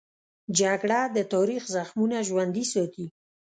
جګړه د تاریخ زخمونه ژوندي ساتي